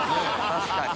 確かに。